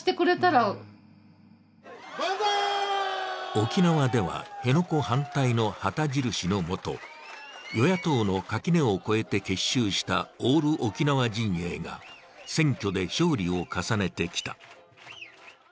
沖縄では辺野古反対の旗印の下与野党の垣根を越えて結集したオール沖縄陣営が選挙で勝利を重ねてきた。